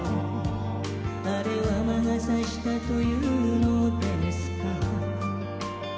あれは魔が差したと言うのですか？